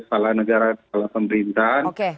kepala negara kepala pemerintahan